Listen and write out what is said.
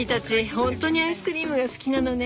本当にアイスクリームが好きなのね。